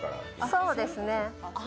そうですね。